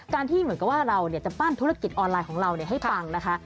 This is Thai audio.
ที่เหมือนกับว่าเราจะปั้นธุรกิจออนไลน์ของเราให้ปังนะคะ